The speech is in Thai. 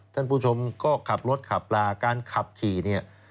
ท่านผู้ชมก็ขับรถขับลาการขับขี่เนี่ย